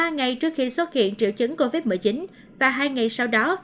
ba ngày trước khi xuất hiện triệu chứng covid một mươi chín và hai ngày sau đó